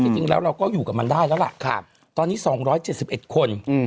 จริงแล้วเราก็อยู่กับมันได้แล้วล่ะตอนนี้๒๗๑คน